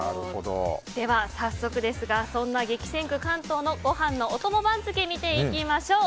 では、早速そんな激戦区・関東のご飯のお供番付を見ていきましょう。